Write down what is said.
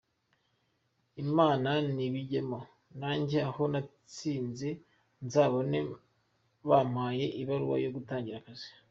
Imana nibijyemo najye aho natsinze nzabone bampaye ibaruwa yo gutangira akazi.